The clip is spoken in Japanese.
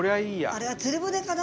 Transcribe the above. あれは釣り船かな？